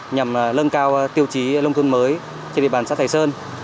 nhằm nâng cao tiêu chí nông thôn mới trên địa bàn xã sài sơn